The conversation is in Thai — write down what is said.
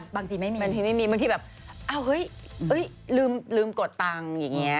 บางทีไม่มีบางทีไม่มีบางทีแบบอ้าวเฮ้ยลืมกดตังค์อย่างนี้